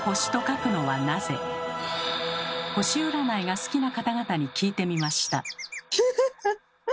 星占いが好きな方々に聞いてみました。